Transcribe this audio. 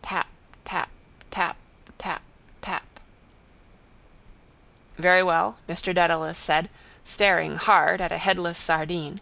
Tap. Tap. Tap. Tap. Tap —Very, Mr Dedalus said, staring hard at a headless sardine.